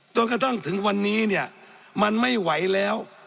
จนกระทั่งถึงวันนี้เนี่ยมันไม่ไหวแล้ว